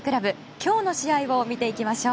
今日の試合を見ていきましょう。